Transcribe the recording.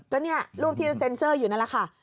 ก็เนี่ยรูปที่เซ็นเซอร์อยู่นั่นแหละค่ะ